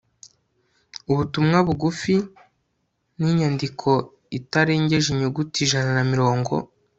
ubutumwa bugufi ni inyandiko itarengeje inyuguti ijana na mirongo